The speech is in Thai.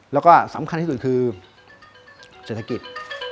แล้วก็สำคัญที่สุดคือเศรษฐกิจ